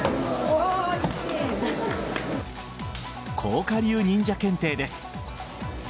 甲賀流忍者検定です。